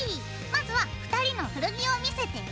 まずは２人の古着を見せて！